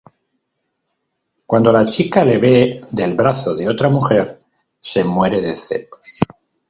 Cuando la chica le ve del brazo de otra mujer, se muere de celos.